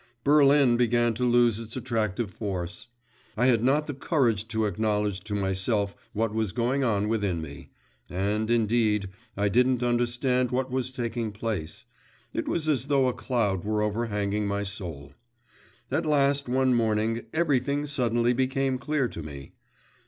… Berlin began to lose its attractive force. I had not the courage to acknowledge to myself what was going on within me, and, indeed, I didn't understand what was taking place, it was as though a cloud were overhanging my soul. At last one morning everything suddenly became clear to me.